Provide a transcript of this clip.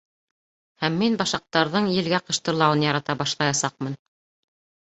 Һәм мин башаҡтарҙың елгә ҡыштырлауын ярата башлаясаҡмын...